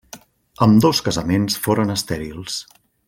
Ambdós casaments foren estèrils.